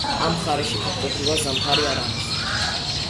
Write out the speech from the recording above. ამ მხარეში, ფაქტობრივად, ზამთარი არ არის.